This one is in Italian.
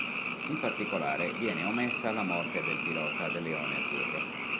In particolare viene omessa la morte del pilota del leone azzurro.